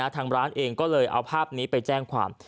ทางร้านเองก็เลยเอาภาพนี้ไปแจ้งความ